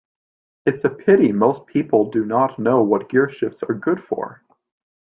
It's a pity most people do not know what gearshifts are good for.